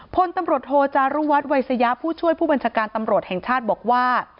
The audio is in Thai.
พลตำรวจโทจารุวัฒนวัยสยาผู้ช่วยผู้บัญชาการตำรวจแห่งชาติบอกว่า